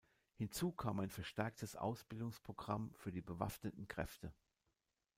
Hinzu kam ein verstärktes Ausbildungsprogramm für die bewaffneten Kräfte.